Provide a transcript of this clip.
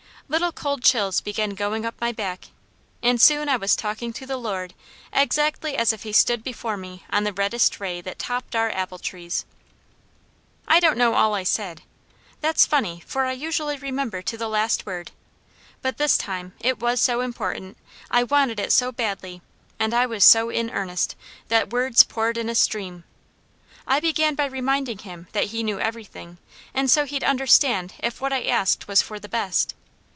Little cold chills began going up my back, and soon I was talking to the Lord exactly as if He stood before me on the reddest ray that topped our apple trees. I don't know all I said. That's funny, for I usually remember to the last word; but this time it was so important, I wanted it so badly, and I was so in earnest that words poured in a stream. I began by reminding Him that He knew everything, and so He'd understand if what I asked was for the best.